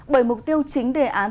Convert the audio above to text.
bởi mục tiêu chính đề án